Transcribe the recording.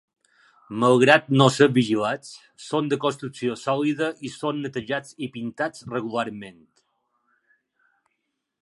Malgrat no ser vigilats, són de construcció sòlida i són netejats i pintats regularment.